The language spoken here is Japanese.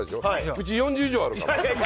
うち、４０畳あるから。